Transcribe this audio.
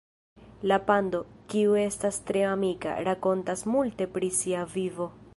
La pando, kiu estas tre amika, rakontas multe pri sia vivo.